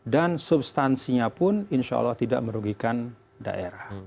dan substansinya pun insya allah tidak merugikan daerah